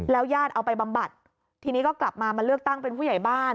ญาติเอาไปบำบัดทีนี้ก็กลับมามาเลือกตั้งเป็นผู้ใหญ่บ้าน